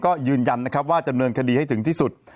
ก็ยืนยันว่าจะเงินคดีให้ถึงที่สุด